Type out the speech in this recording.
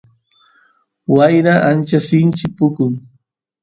wayra ancha sinchita pukun